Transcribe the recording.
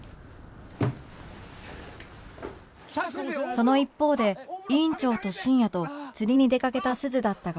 その一方で院長と深夜と釣りに出掛けた鈴だったが